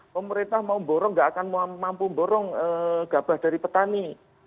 pemerintah mau borong tidak akan mampu memborong gabah dari petani